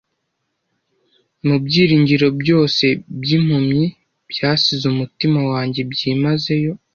mu byiringiro byose byimpumyi byasize umutima wanjye byimazeyo